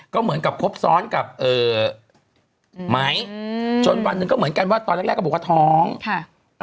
ก็เหมือนกับครบซ้อนกับเอ่อไหมอืมจนวันหนึ่งก็เหมือนกันว่าตอนแรกแรกก็บอกว่าท้องค่ะ